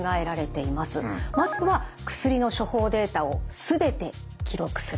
まずは薬の処方データをすべて記録する。